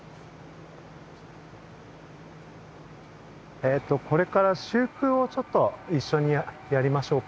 えとこれから修復をいっしょにやりましょうか。